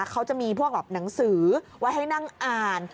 เขาจะมีพวกหนังสือไว้ให้นั่งอ่าน